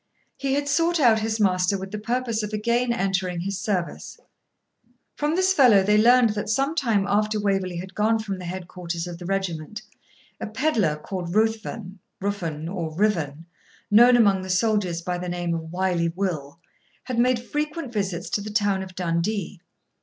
He had sought out his master with the purpose of again entering his service. From this fellow they learned that some time after Waverley had gone from the headquarters of the regiment, a pedlar, called Ruthven, Rufnn, or Rivane, known among the soldiers by the name of Wily Will, had made frequent visits to the town of Dundee.